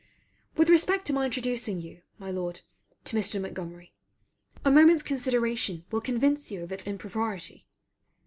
With respect to my introducing you, my Lord, to Mr. Montgomery, a moment's consideration will convince you of its impropriety.